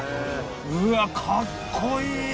うわかっこいい！